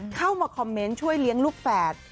เข้ามาคอมเมนต์ช่วยเลี้ยงลูกแฝด